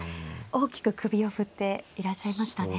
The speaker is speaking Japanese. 大きく首を振っていらっしゃいましたね。